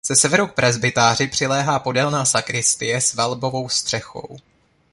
Ze severu k presbytáři přiléhá podélná sakristie s valbovou střechou.